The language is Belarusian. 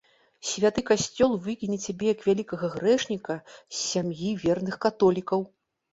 Святы касцёл выкіне цябе, як вялікага грэшніка, з сям'і верных католікаў!